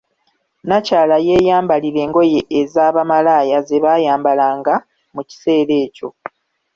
Nnakyala yeeyambalira ngoye eza bamalaaya ze bayambalanga mu kiseera ekyo.